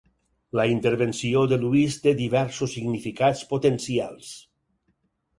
La intervenció de Luis té diversos significats potencials.